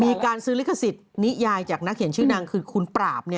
มีการซื้อลิขสิทธิ์นิยายจากนักเขียนชื่อนางคือคุณปราบ